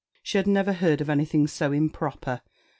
She had never heard of anything so improper.